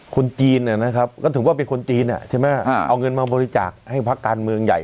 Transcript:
คนจีนนะครับก็ถือว่าเป็นคนจีนใช่ไหมเอาเงินมาบริจาคให้พักการเมืองใหญ่